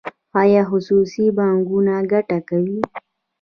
آیا خصوصي بانکونه ګټه کوي؟